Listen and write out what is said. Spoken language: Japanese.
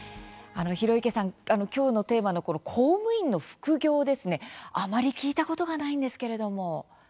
広池さん、今日のテーマのこの公務員の副業ですねあまり聞いたことがないんですけれども。